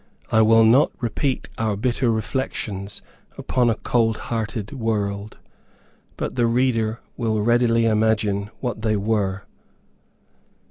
I will not repeat our bitter reflections upon a cold hearted world, but the reader will readily imagine what they were.